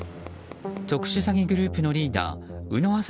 特殊詐欺グループのリーダー宇野阿沙